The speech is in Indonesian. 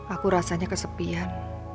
aku rasanya kesepian